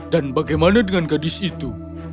dan bagaimana dengan gadis itu